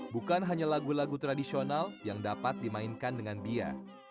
bukan hanya lagu lagu tradisional yang dapat dimainkan dengan bia